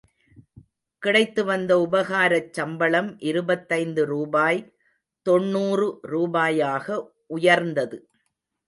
கிடைத்து வந்த உபகாரச் சம்பளம் இருபத்தைந்து ரூபாய் தொண்ணூறு ரூபாயாக உயர்ந்தது.